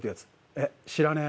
「えっ知らねー」